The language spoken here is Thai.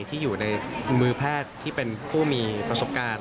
ที่อยู่ในมือแพทย์ที่เป็นผู้มีประสบการณ์